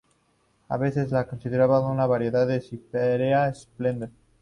A veces se la considera una variedad de "Spiraea splendens".